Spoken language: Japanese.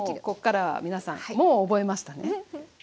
ここからは皆さんもう覚えましたね？